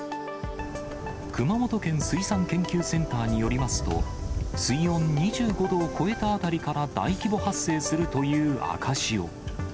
熊本県水産研究センターによりますと、水温２５度を超えたあたりから大規模発生するという赤潮。